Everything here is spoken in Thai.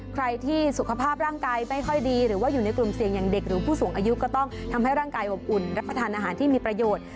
ใครที่สุขภาพร่างกายไม่ค่อยดีหรือว่าอยู่ในกลุ่มเสี่ยงอย่างเด็กหรือผู้สูงอายุก็ต้องทำให้ร่างกายอบอุ่นรับประทานอาหารที่มีประโยชน์